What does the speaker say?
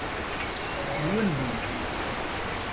ون بووم.